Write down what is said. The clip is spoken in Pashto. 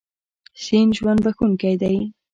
سیند ژوند بښونکی دی.